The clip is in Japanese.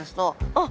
あっ。